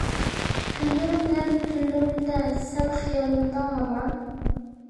كۈنلىرىم ھەم تۈنلىرىمدە، سەن خىيالىمدا ھامان.